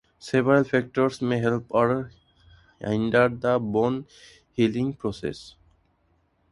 Several factors may help or hinder the bone healing process.